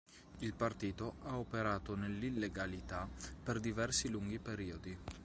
Il partito ha operato nell'illegalità per diversi lunghi periodi.